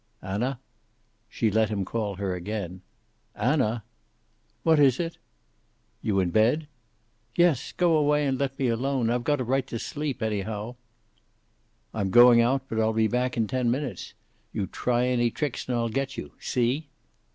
"Anna?" She let him call her again. "Anna!" "What is it?" "You in bed?" "Yes. Go away and let me alone. I've got a right to sleep, anyhow." "I'm going out, but I'll be back in ten minutes. You try any tricks and I'll get you. See?"